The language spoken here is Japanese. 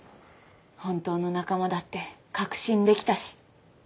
本当の仲間だって確信できたし。